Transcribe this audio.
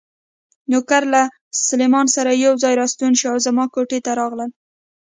نوکر له سلمان سره یو ځای راستون شو او زما کوټې ته راغلل.